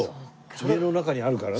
家の中にあるからね。